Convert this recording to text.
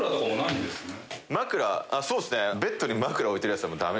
あっそうっすね。